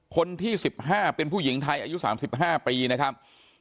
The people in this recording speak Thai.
คนที่๑๕เป็นผู้หญิงไทยอายุ๓๕ปีนะครับ